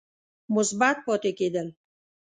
مثبت پاتې کېد ل